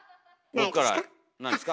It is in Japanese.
僕から何ですか？